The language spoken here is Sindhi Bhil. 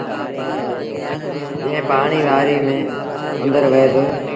جيٚن پآڻيٚ وآريٚ ميݩ آݩدر وهي دو۔